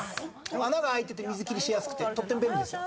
穴が開いてて水切りしやすくてとっても便利ですよ。